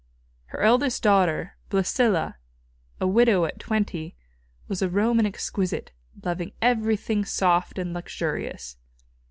Her eldest daughter, Blæsilla, a widow at twenty, was a Roman exquisite, loving everything soft and luxurious.